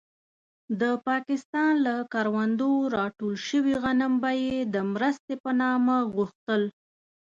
د پاکستان له کروندو راټول شوي غنم به يې د مرستې په نامه غوښتل.